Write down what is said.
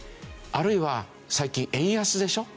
あるいは最近円安でしょ。